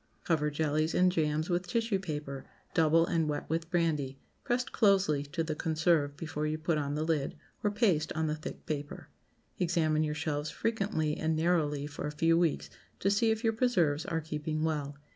Cover jellies and jams with tissue paper, double and wet with brandy, pressed closely to the conserve before you put on the lid, or paste on the thick paper. Examine your shelves frequently and narrowly for a few weeks to see if your preserves are keeping well.